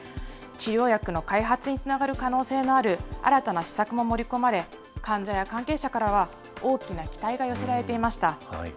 治療薬の開発につながる可能性のある、新たな施策も盛り込まれ、患者や関係者からは、大きな期待が寄せられていました。